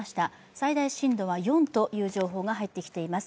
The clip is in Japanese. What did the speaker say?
最大震度は４という情報が入ってきています。